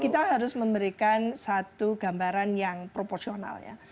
kita harus memberikan satu gambaran yang proporsional ya